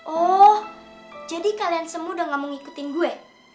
oh jadi kalian semua udah gak mau ngikutin gue